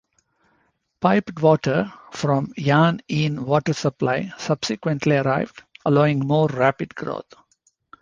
Piped water from Yan Yean water supply subsequently arrived, allowing more rapid growth.